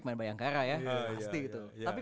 main bayangkara ya pasti gitu tapi